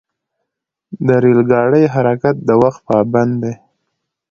د ریل ګاډي حرکت د وخت پابند دی.